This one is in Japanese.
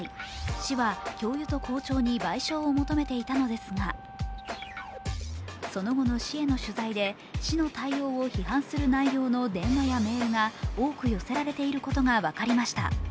市は教諭と校長に賠償を求めていたのですがその後の市への取材で市の対応を批判する内容の電話やメールが多く寄せられていることが分かりました。